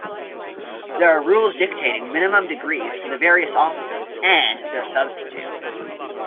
There are rules dictating minimum degrees for the various officers and their substitutes.